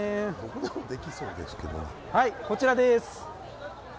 こちらです。